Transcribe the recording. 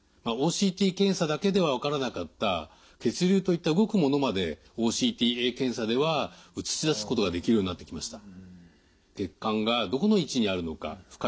ＯＣＴ検査だけでは分からなかった血流といった動くものまでＯＣＴＡ検査では映し出すことができるようになってきました。